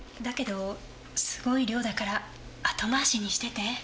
だけどすごい量だから後回しにしてて。